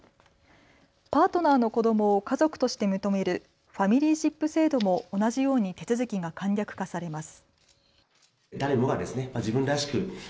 パートナーの子どもを家族として認めるファミリーシップ制度も同じように手続きが簡略化されます。